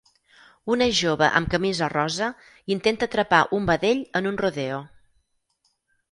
Una jove amb camisa rosa intenta atrapar un vedell en un rodeo.